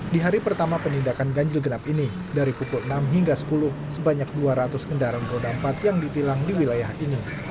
di hari pertama penindakan ganjil genap ini dari pukul enam hingga sepuluh sebanyak dua ratus kendaraan roda empat yang ditilang di wilayah ini